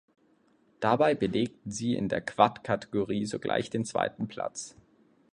Dabei belegten sie in der Quad-Kategorie sogleich den zweiten Platz.